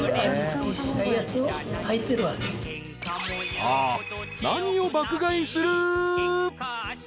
［さあ何を爆買いする？］